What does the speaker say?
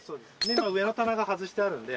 今上の棚が外してあるんで。